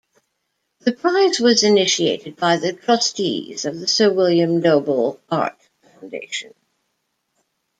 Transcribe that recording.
The prize was initiated by the Trustees of the Sir William Dobell Art Foundation.